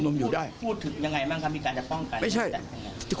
ก็ไม่ตอบเพราะผมไม่รู้ว่าตั้งเขาตั้งเขาหาอะไร